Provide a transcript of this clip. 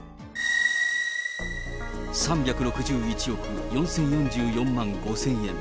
３６１億４０４４万５０００円。